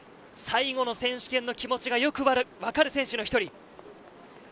最後の選手権の気持ちがよく分かる選手の一人。